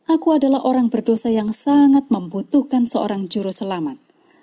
aku adalah orang berdosa yang sangat membutuhkan seorang juru selamat